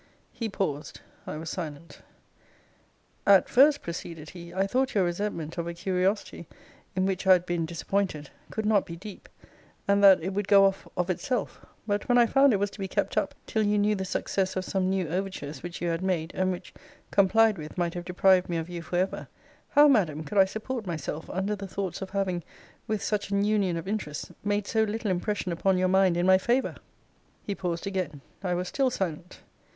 He paused. I was silent. At first, proceeded he, I thought your resentment of a curiosity, in which I had been disappointed, could not be deep; and that it would go off of itself: But, when I found it was to be kept up till you knew the success of some new overtures which you had made, and which, complied with, might have deprived me of you for ever, how, Madam, could I support myself under the thoughts of having, with such an union of interests, made so little impression upon your mind in my favour? He paused again. I was still silent.